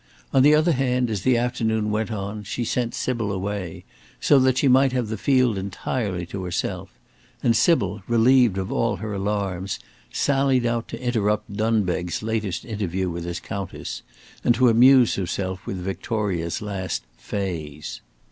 On the other hand, as the afternoon went on, she sent Sybil away, so that she might have the field entirely to herself, and Sybil, relieved of all her alarms, sallied out to interrupt Dunbeg's latest interview with his Countess, and to amuse herself with Victoria's last "phase."